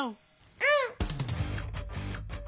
うん！